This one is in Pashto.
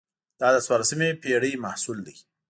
دا د څوارلسمې پېړۍ محصول ده.